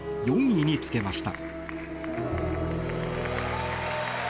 ４位につけました。